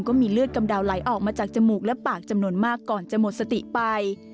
ก็มีเลือดกำเดาไหลออกมาจากจมูกและปากจำนวนมากก่อนจะหมดสติไป